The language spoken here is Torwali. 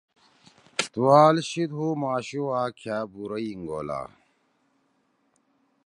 تُوال شیِد ہُو ماشو آ کھأ بُورئی انگولا